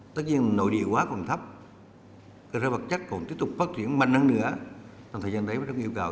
tất nhiên nội địa hóa còn thấp ra vật chất còn tiếp tục phát triển mạnh hơn nữa trong thời gian đấy mới được yêu cầu